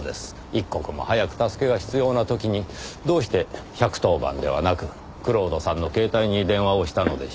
一刻も早く助けが必要な時にどうして１１０番ではなく蔵人さんの携帯に電話をしたのでしょうねぇ？